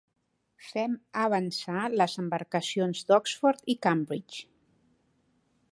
Fem avançar les embarcacions d'Oxford i Cambridge.